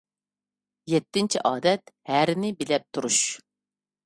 يەتتىنچى ئادەت، ھەرىنى بىلەپ تۇرۇش.